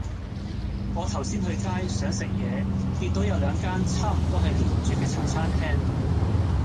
我頭先去街,想食野見到有兩間差唔多係連住既茶餐廳